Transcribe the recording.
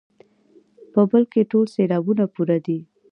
په بل کې ټول سېلابونه پوره دي.